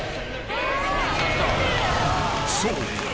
［そう。